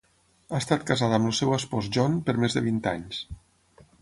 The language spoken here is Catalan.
Ha estat casada amb el seu espòs John per més de vint anys.